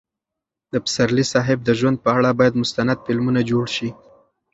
د پسرلي صاحب د ژوند په اړه باید مستند فلمونه جوړ شي.